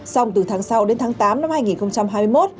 xong từ tháng sáu đến tháng tám năm hai nghìn hai mươi một